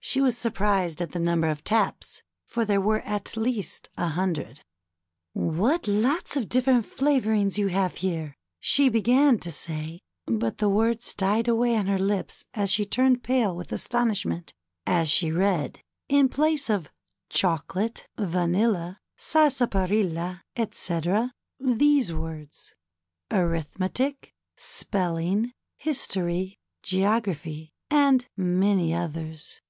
She was sur prised at the number of taps, for there were at least a hundred. ^^What lots of different flavorings you have here!" she began to say; but the words died away on her lips and she turned pale with astonishment as she read in place of Chocolate," Vanilla," ^^Sarsaparilla," etc., these words: ^'Arithmetic," ''Spelling/' "History," "Ge ography," and many others.